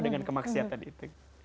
dengan kemaksiatan itu